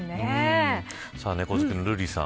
猫好きの瑠麗さん